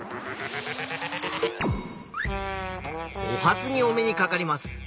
お初にお目にかかります。